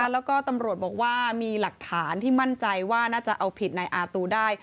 แล้วก็ตำรวจบอกว่ามีหลักฐานที่มั่นใจว่าน่าจะเอาผิดนายอาตูได้